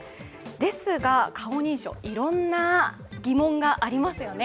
ですが、顔認証、いろんな疑問がありますよね。